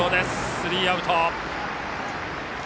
スリーアウト。